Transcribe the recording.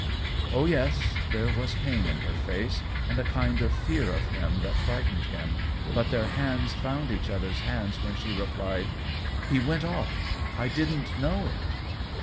Oh, yes ; there was pain in her face, and a kind of fear of him that frightened him, but their hands found each other's hands while she replied :" He went off — I didn't know it.